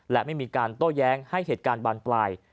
และไม่มีการโต้แย้งให้เหตุการณ์บานปลาย